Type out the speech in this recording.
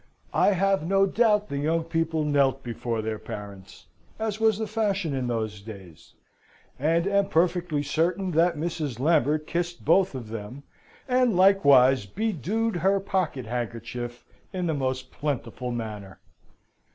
I have no doubt the young people knelt before their parents, as was the fashion in those days; and am perfectly certain that Mrs. Lambert kissed both of them, and likewise bedewed her pocket handkerchief in the most plentiful manner.